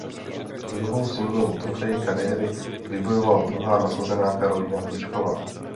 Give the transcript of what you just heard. Druhou singlovou trofej kariéry vybojovala druhá nasazená Karolína Plíšková.